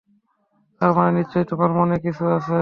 তার মানে নিশ্চয় তোমার মনে কিছু আছে।